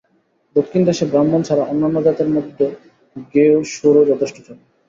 দক্ষিণ-দেশে ব্রাহ্মণ ছাড়া অন্যান্য জাতের মধ্যে গেঁয়ো শোরও যথেষ্ট চলে।